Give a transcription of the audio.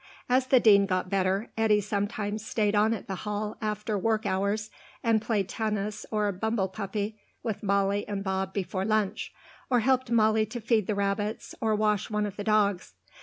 As the Dean got better, Eddy sometimes stayed on at the Hall after work hours, and played tennis or bumble puppy with Molly and Bob before lunch, or helped Molly to feed the rabbits, or wash one of the dogs.